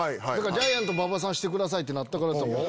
「ジャイアント馬場さんしてください」ってなったからこう。